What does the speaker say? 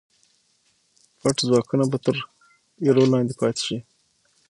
پټ ځواکونه به تر ایرو لاندې پاتې شي.